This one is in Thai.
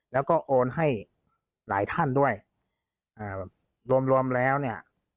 แล้วก็โอนให้หลายท่านด้วยอ่าแบบรวมรวมแล้วเนี่ย